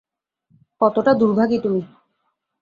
কতটা দুর্ভাগী তুমি?